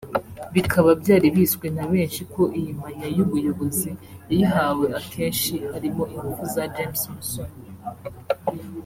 Bikaba byari bizwi na benshi ko iyi manya y’ubuyobozi yayihawe akenshi harimo ingufu za James Musoni